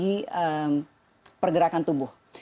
dalam segi pergerakan tubuh